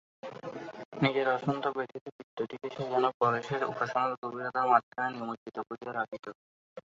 নিজের অশান্ত ব্যথিত চিত্তটিকে সে যেন পরেশের উপাসনার গভীরতার মাঝখানে নিমজ্জিত করিয়া রাখিত।